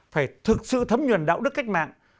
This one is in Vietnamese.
phải thực sự thấm nhuận đạo đức cách mạng